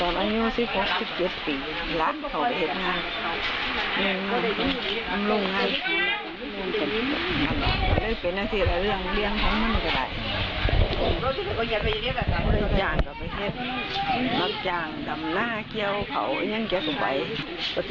น่าเกรียบเขายังเกียบสุขดับไป